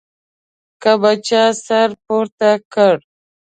که به چا سر پورته کړ.